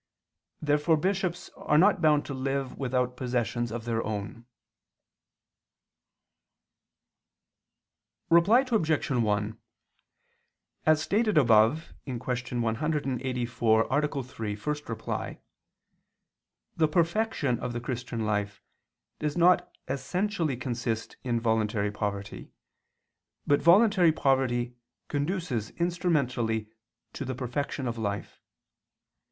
Therefore bishops are not bound to live without possessions of their own. Reply Obj. 1: As stated above (Q. 184, A. 3, ad 1) the perfection of the Christian life does not essentially consist in voluntary poverty, but voluntary poverty conduces instrumentally to the perfection of life.